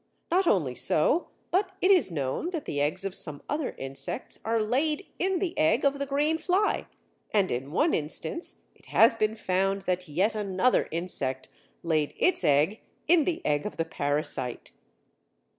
Not only so, but it is known that the eggs of some other insects are laid in the egg of the green fly, and in one instance it has been found that yet another insect laid its egg in the egg of the parasite!